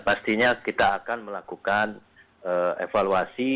pastinya kita akan melakukan evaluasi